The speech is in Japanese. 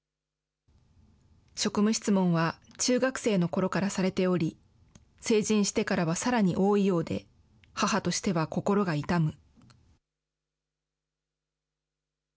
職務質問は中学生のころからされており、成人してからはさらに多いようで、母としては心が痛む。